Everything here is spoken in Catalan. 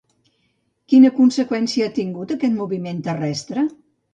Quina conseqüència ha tingut aquest moviment terrestre?